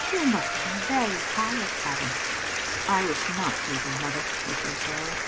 " You must have been very tired, Gavin?" "I was not sleeping, mother," he said, slowly.